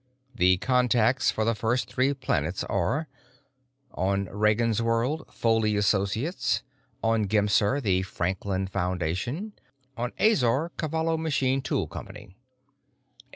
The contacts for the first three planets are: On Ragansworld, Foley Associates; on Gemser, the Franklin Foundation; on Azor, Cavallo Machine Tool Company.